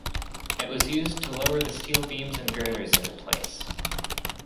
It was used to lower the steel beams and girders into place.